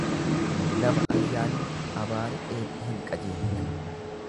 Nama ayyaanni abaare eebbi hin qajeelchu.